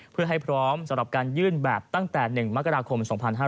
เพื่อให้พร้อมสำหรับการยื่นแบบตั้งแต่๑มกราคม๒๕๕๙